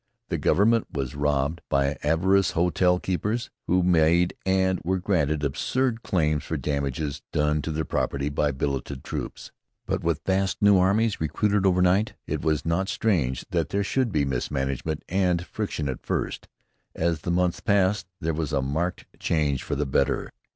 The Government was robbed by avaricious hotel keepers who made and were granted absurd claims for damages done to their property by billeted troops. But with vast new armies, recruited overnight, it is not strange that there should be mismanagement and friction at first. As the months passed, there was a marked change for the better.